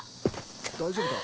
大丈夫か？